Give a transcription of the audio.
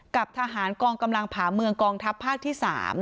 กับทหารกองกำลังผ่าเมืองกองทัพภาคที่๓